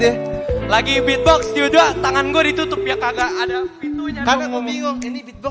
ya lagi beatbox juga tangan gue ditutup ya kagak ada pintunya ngomong ini beatbox